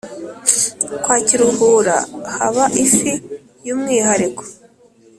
Kwakiruhura haba ifi yumwihariko